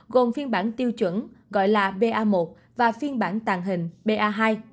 gồm phiên bản tiêu chuẩn gọi là ba một và phiên bản tàng hình ba hai